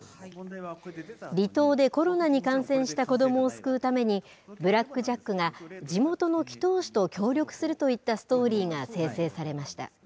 離島でコロナに感染した子どもを救うために、ブラック・ジャックが地元の祈とう師と協力するといったストーリ